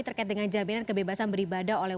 terkait dengan jaminan kebebasan beribadah oleh